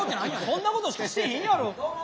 そんなことしかしてへんやろ。